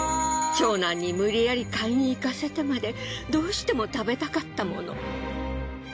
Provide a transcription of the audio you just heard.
長男に無理やり買いに行かせてまでどうしても食べたかった物。